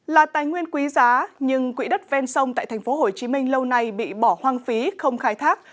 là tài nguyên quý giá nhưng quỹ đất ven sông tại thành phố hồ chí minh lâu nay bị bỏ hoang phí không khai thác